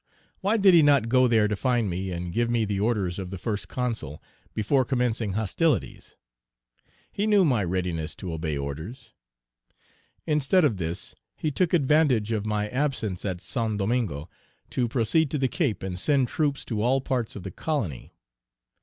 Why did he not go there to find me and give me the orders of the First Consul, before commencing hostilities? He knew my readiness to obey orders. Instead of this, he took advantage of my absence at St. Domingo to proceed to the Cape and send troops to all parts of the colony.